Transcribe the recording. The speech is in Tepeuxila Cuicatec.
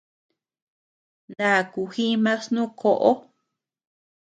Naakuu jiima snu koʼo.